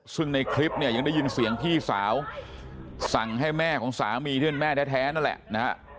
ซึ่งในคลิปเนี่ยยังได้ยินเสียงพี่สาวสั่งให้แม่ของสามีที่เป็นแม่แท้นั่นแหละนะฮะ